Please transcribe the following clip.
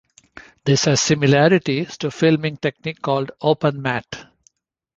This has similarities to a filming technique called Open matte.